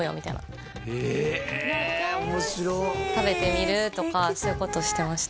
仲良し食べてみるとかそういうことしてました